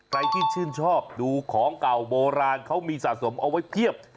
ใครที่ชื่นชอบดูของเก่าโบราณเขามีสะสมเอาไว้เพียบ